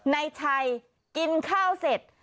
นายชัยกินข้าวเสร็จ